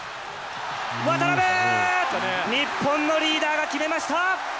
日本のリーダーが決めました！